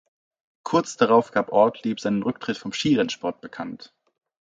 Kurz darauf gab Ortlieb seinen Rücktritt vom Skirennsport bekannt.